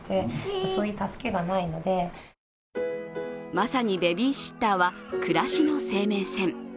まさにベビーシッターは暮らしの生命線。